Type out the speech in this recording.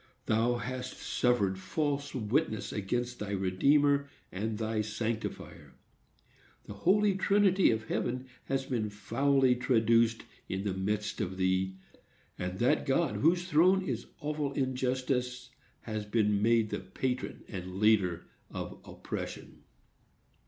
Thou hast suffered false witness against thy Redeemer and thy Sanctifier. The Holy Trinity of heaven has been foully traduced in the midst of thee; and that God whose throne is awful in justice has been made the patron and leader of oppression.